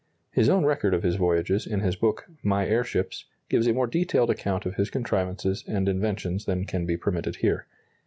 His own record of his voyages in his book, My Air Ships, gives a more detailed account of his contrivances and inventions than can be permitted here.